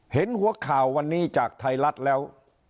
เห็นหัวข่าววันนี้จากไทยรัฐแล้ว